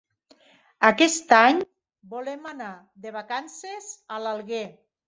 Aquest any volem anar de vacances a l'Alguer.